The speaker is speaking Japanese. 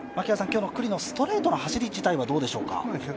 今日の九里のストレートの走り自体はどうでしょうか？